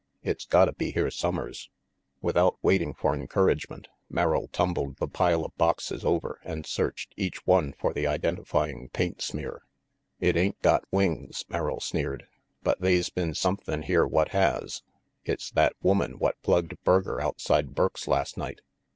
It's gotta be here summers Without waiting for encouragement, Merrill tumbled the pile of boxes over and searched each one for the identifying paint smww. 56 RANGY PETE "It ain't got wings," Merrill sneered, "but they's been surnthin' here what has. It's that woman what plugged Berger outside Burke's last night.